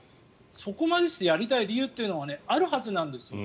そこまでしてやりたい理由というのがあるはずなんですよ。